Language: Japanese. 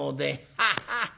アハハハ。